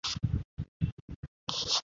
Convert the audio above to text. প্রকৃতপক্ষে শ্রমই মানুষের জীবনে সুখ নিয়ে আসে।